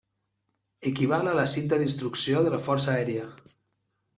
Equival a la cinta d'instrucció de la Força Aèria.